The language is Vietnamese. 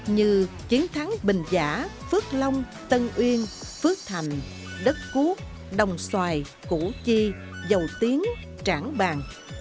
như chiến thắng bình giả phước long tân uyên phước thành đất quốc đồng xoài củ chi dầu tiến trảng bàng